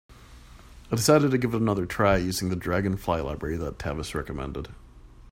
I decided to give it another try, using the Dragonfly library that Tavis recommended.